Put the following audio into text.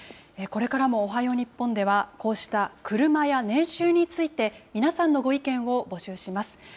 これからもおはよう日本では、こうしたクルマや年収について、皆さんのご意見を募集します。